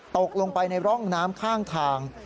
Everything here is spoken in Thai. ตกลงไปในร่องน้ำข้างทาง